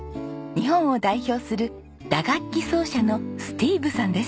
日本を代表する打楽器奏者のスティーヴさんです。